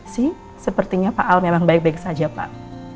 si sepertinya pak aldebaran memang baik baik saja pak